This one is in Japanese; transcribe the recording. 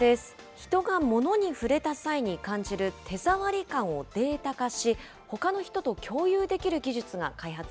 人が物に触れた際に感じる手触り感をデータ化し、ほかの人と共有